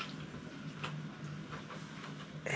え